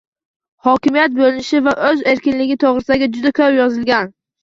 Hokimiyat boʻlinishi va soʻz erkinligi toʻgʻrisida juda koʻp yozilgan.